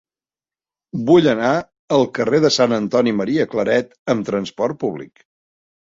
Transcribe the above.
Vull anar al carrer de Sant Antoni Maria Claret amb trasport públic.